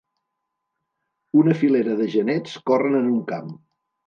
Una filera de genets corren en un camp.